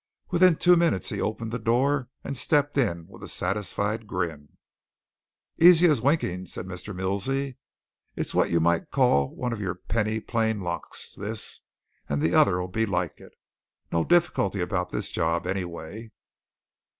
Within two minutes he opened the door and stepped in with a satisfied grin. "Easy as winking!" said Mr. Milsey. "It's what you might call one of your penny plain locks, this and t'other'll be like it. No difficulty about this job, anyway."